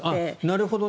なるほど。